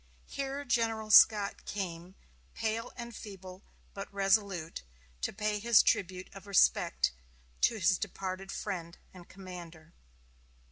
Here General Scott came, pale and feeble, but resolute, to pay his tribute of respect to his departed friend and commander.